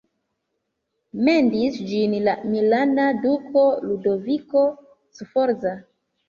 Mendis ĝin la milana duko Ludoviko Sforza.